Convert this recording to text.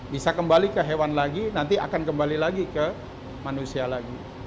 bisa kembali ke hewan lagi nanti akan kembali lagi ke manusia lagi